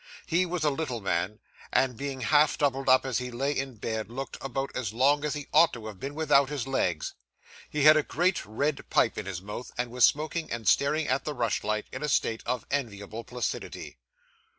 He was a little man, and, being half doubled up as he lay in bed, looked about as long as he ought to have been without his legs. He had a great red pipe in his mouth, and was smoking, and staring at the rush light, in a state of enviable placidity.